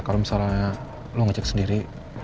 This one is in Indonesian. kalau misalnya lo ngecek sendiri